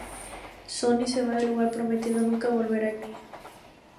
Sonny se va del lugar, prometiendo nunca volver allí.